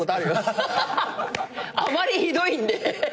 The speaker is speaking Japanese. あまりひどいんで。